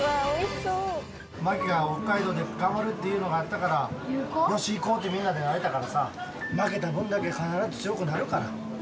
茉輝が北海道で頑張るっていうのがあったから、よし行こうって、みんなでなれたからさ、負けた分だけ必ず強くなるから。